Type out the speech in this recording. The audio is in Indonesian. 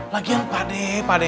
lagian pak d pak d